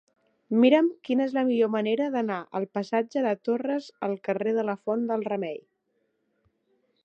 Mira'm quina és la millor manera d'anar del passatge de Torres al carrer de la Font del Remei.